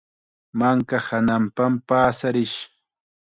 Manka hananpam paasarish.